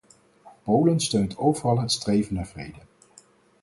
Polen steunt overal het streven naar vrede.